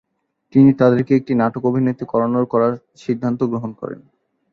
তিনি তাদেরকে একটি নাটক অভিনীত করানোর করার সিদ্ধান্ত গ্রহণ করেন।